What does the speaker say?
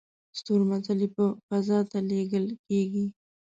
ستورمزلي په فضا ته لیږل کیږي